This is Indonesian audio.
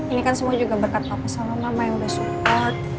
ini kan semua juga berkat taufik sama mama yang udah support